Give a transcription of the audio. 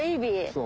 そう。